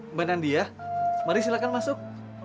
mbak nadia mari silahkan masuk